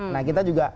nah kita juga